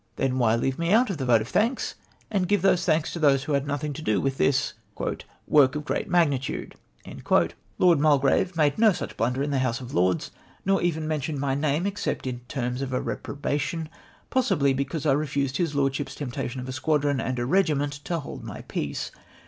Then why leave me out of the vote of thanks, and give thanks to those who had nothing to do with this '•'■ivork of great magnitude V' Lord Mul2!;rave made no such blunder m the House of Lords, nor even mentioned my name e.vcept i)i terms of reprobation — possibly because I refused his lordship's temptation of a squadron and a regiment to hold my peace